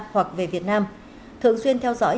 hoặc về việt nam thường xuyên theo dõi